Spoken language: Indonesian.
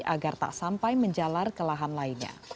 agar tak sampai menjalar ke lahan lainnya